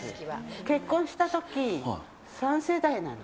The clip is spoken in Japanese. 結婚したとき、３世代なの。